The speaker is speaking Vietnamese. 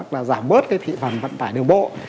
là giảm bớt cái thị phần vận tải đường bộ